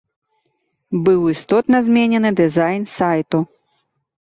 Быў істотна зменены дызайн сайту.